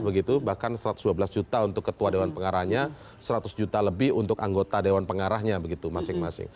bahkan satu ratus dua belas juta untuk ketua dewan pengarahnya seratus juta lebih untuk anggota dewan pengarahnya